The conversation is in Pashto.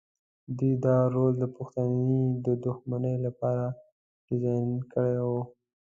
دوی دا رول د پښتنو د دښمنۍ لپاره ډیزاین کړی و.